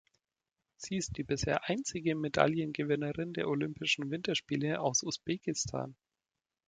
Sie ist die bisher einzige Medaillengewinnerin der olympischen Winterspiele aus Usbekistan.